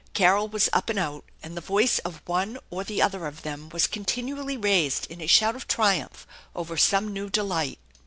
Carol was up and out, and the voice of one or the other of them waa continually raised in a shout of triumph over some new delight.